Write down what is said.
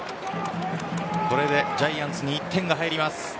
これでジャイアンツに１点が入ります。